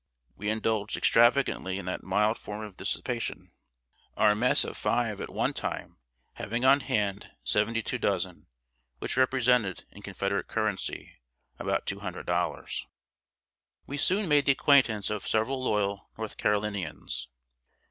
We indulged extravagantly in that mild form of dissipation our mess of five at one time having on hand seventy two dozen, which represented, in Confederate currency, about two hundred dollars. We soon made the acquaintance of several loyal North Carolinians.